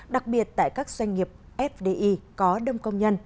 đặc biệt tại các doanh nghiệp fdi có đông công nhân